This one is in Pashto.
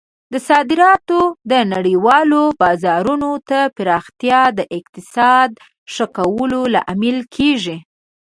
د صادراتو د نړیوالو بازارونو ته پراختیا د اقتصاد ښه کولو لامل کیږي.